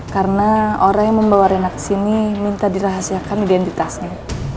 karena orang yang membawa ena ke sini minta dirahasiakan identitasnya